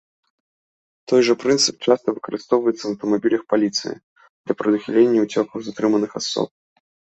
Той жа прынцып часта выкарыстоўваецца ў аўтамабілях паліцыі для прадухілення ўцёкаў затрыманых асоб.